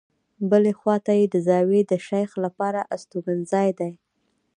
بلې خواته یې د زاویې د شیخ لپاره استوګنځای دی.